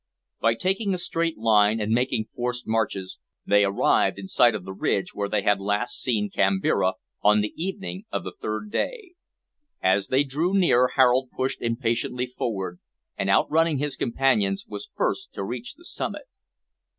By taking a straight line and making forced marches, they arrived in sight of the ridge where they had last seen Kambira, on the evening of the third day. As they drew near Harold pushed impatiently forward, and, outrunning his companions, was first to reach the summit.